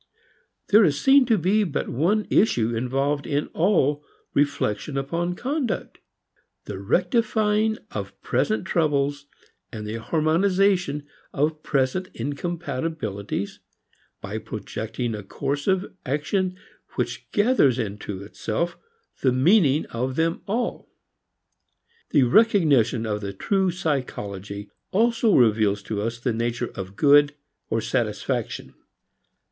There is seen to be but one issue involved in all reflection upon conduct: The rectifying of present troubles, the harmonizing of present incompatibilities by projecting a course of action which gathers into itself the meaning of them all. The recognition of the true psychology also reveals to us the nature of good or satisfaction.